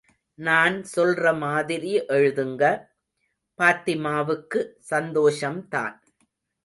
நான் சொல்ற மாதிரி எழுதுங்க... பாத்திமாவுக்கு சந்தோஷம்தான்.